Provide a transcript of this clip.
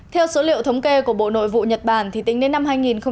theo số liệu thống kê của bộ nội vụ nhật bản tính đến năm hai nghìn một mươi tám